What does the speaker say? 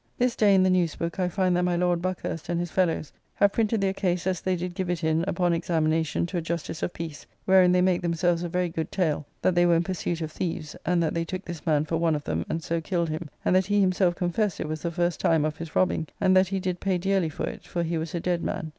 This day in the news book I find that my Lord Buckhurst and his fellows have printed their case as they did give it in upon examination to a justice of Peace, wherein they make themselves a very good tale that they were in pursuit of thieves, and that they took this man for one of them, and so killed him; and that he himself confessed it was the first time of his robbing; and that he did pay dearly for it, for he was a dead man.